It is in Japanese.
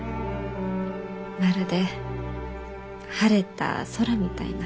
まるで晴れた空みたいな。